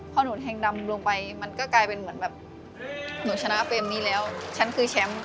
พอหนูแทงดำลงไปมันก็กลายเป็นเหมือนแบบหนูชนะเกมนี้แล้วฉันคือแชมป์